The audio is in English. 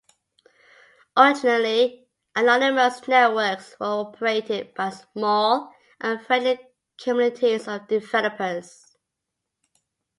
Originally, anonymous networks were operated by small and friendly communities of developers.